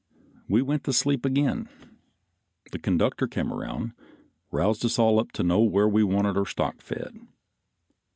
We went to sleep again; the conductor came around, roused us all up to know where we wanted our stock fed.